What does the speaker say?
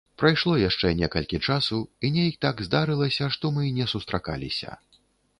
Прайшло яшчэ некалькі часу, і нейк так здарылася, што мы не сустракаліся.